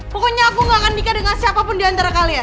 pokoknya aku gak akan menikah dengan siapapun diantara kalian